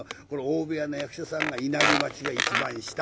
大部屋の役者さんが稲荷町が一番下。